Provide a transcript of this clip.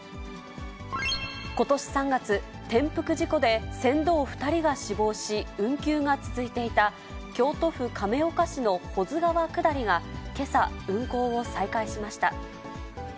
ことし３月、転覆事故で船頭２人が死亡し、運休が続いていた、京都府亀岡市の保津川下りがけさ、運航を再開しました。